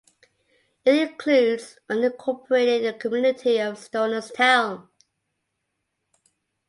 It includes the unincorporated community of Stonerstown.